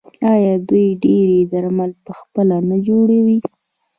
آیا دوی ډیری درمل پخپله نه جوړوي؟